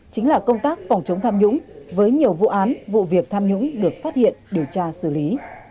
chính là công tác phòng chống tham nhũng với nhiều vụ án vụ việc tham nhũng được phát hiện điều tra xử lý